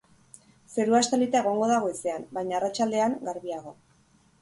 Zerua estalita egongo da goizean, baina arratsaldean, garbiago.